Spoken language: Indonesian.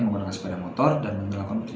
menggunakan sepeda motor dan mengelakkan